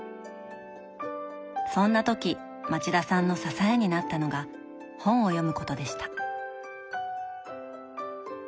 そんな時町田さんの支えになったのが本を読むことでした。